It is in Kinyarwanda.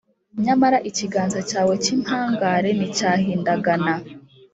Nyamara ikiganza cyawe cy’impangare nticyahindagana,